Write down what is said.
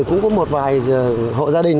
cũng có một vài hộ gia đình